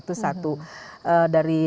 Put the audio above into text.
itu satu dari